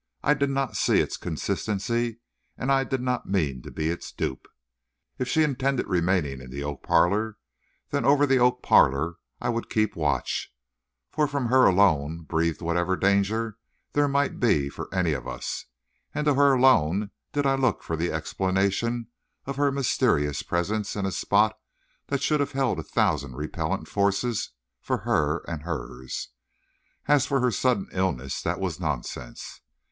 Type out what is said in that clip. I did not see its consistency, and I did not mean to be its dupe. If she intended remaining in the oak parlor, then over the oak parlor I would keep watch; for from her alone breathed whatever danger there might be for any of us, and to her alone did I look for the explanation of her mysterious presence in a spot that should have held a thousand repellent forces for her and hers. As for her sudden illness, that was nonsense.